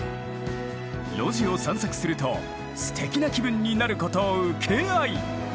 路地を散策するとすてきな気分になること請け合い！